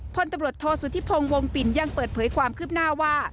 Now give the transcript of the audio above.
พลตำรวจโทษสุธิพงศ์วงปิ่นยังเปิดเผยความคืบหน้าว่า